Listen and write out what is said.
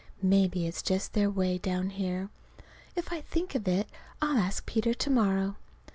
Maybe it's just their way down here. If I think of it I'll ask Peter to morrow.